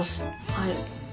はい。